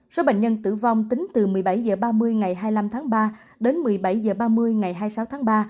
số bệnh nhân tử vong tính từ một mươi bảy h ba mươi ngày hai mươi năm tháng ba đến một mươi bảy h ba mươi ngày hai mươi sáu tháng ba